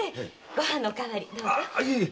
ご飯のお代わりどうぞ。